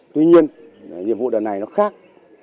tuy nhiên nhiệm vụ đợt này nó khác